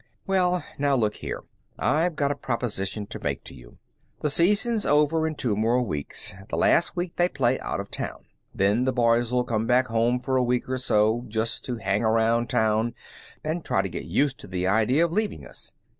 "Well now, look here. I've got a proposition to make to you. The season's over in two more weeks. The last week they play out of town. Then the boys'll come back for a week or so, just to hang around town and try to get used to the idea of leaving us.